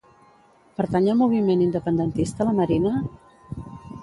Pertany al moviment independentista la Marina?